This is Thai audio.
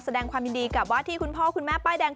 แสดงความยินดีกับว่าที่คุณพ่อคุณแม่ป้ายแดง